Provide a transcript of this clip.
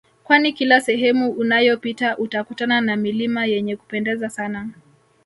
Kwani kila sehemu unayopita utakutana na milima yenye Kupendeza sana